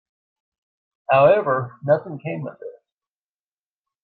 However, nothing came of this.